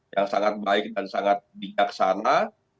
yang sangat baik dan sangat bijaksana